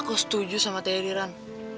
aku setuju sama teh di ran